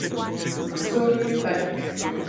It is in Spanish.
Zombie Panic!